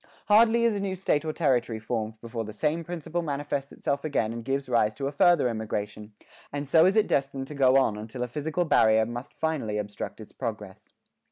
Hardly is a new State or Territory formed before the same principle manifests itself again and gives rise to a further emigration; and so is it destined to go on until a physical barrier must finally obstruct its progress."